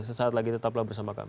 sesaat lagi tetaplah bersama kami